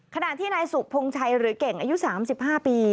ขณะที่นายสุพงชัยหรือเก่งอายุ๓๕ปี